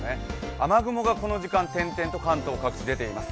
雨雲がこの時間点々と関東各地出ています。